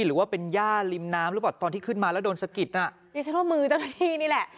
หรือว่าเป็นย่าริมน้ำหรือเปล่าตอนที่ขึ้นมาแล้วโดนสะกิดน่ะดิฉันว่ามือเจ้าหน้าที่นี่แหละ